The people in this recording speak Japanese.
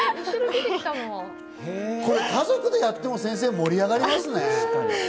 これ、家族でやっても盛り上がりますね。